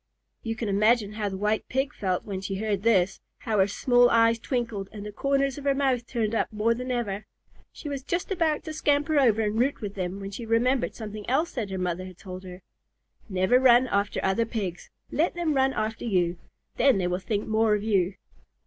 You can imagine how the White Pig felt when she heard this; how her small eyes twinkled and the corners of her mouth turned up more than ever. She was just about to scamper over and root with them, when she remembered something else that her mother had told her: "Never run after other Pigs. Let them run after you. Then they will think more of you."